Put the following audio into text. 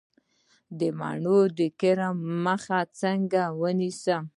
د مڼو د کرم مخه څنګه ونیسم؟